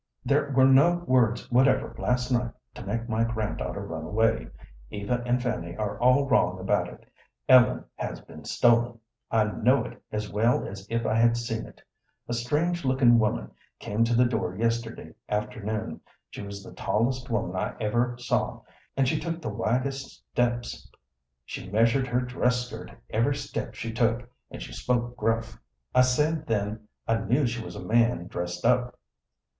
There were no words whatever last night to make my granddaughter run away. Eva and Fanny are all wrong about it. Ellen has been stolen; I know it as well as if I had seen it. A strange looking woman came to the door yesterday afternoon; she was the tallest woman I ever saw, and she took the widest steps; she measured her dress skirt every step she took, and she spoke gruff. I said then I knew she was a man dressed up.